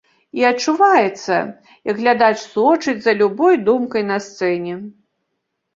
І адчуваецца, як глядач сочыць за любой думкай на сцэне.